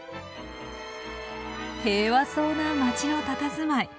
平和そうな街のたたずまい。